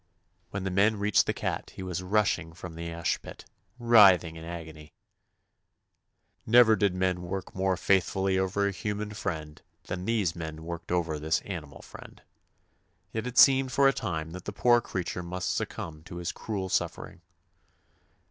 When the men reached the cat he was rushing from the ash pit writhing in agony. i8i THE ADVENTURES OF Never did men work more faith fully over a human friend than these men worked over this animal friend, yet it seemed for a time that the poor creature must succumb to his cruel suffering.